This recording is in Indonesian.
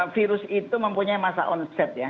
virus itu mempunyai masa onset ya